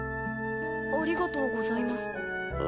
ありがとうございます。